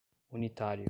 unitário